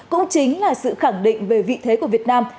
cũng chính là sự khẳng định về vị thế của việt nam